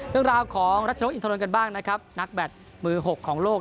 เรื่องราวของรัชนกอินทรนกันบ้างนะครับนักแบตมือหกของโลก